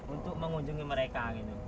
untuk mengunjungi mereka gitu